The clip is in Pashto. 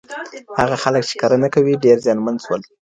هغه خلک چي کرنه کوي، ډېر زیانمن سول.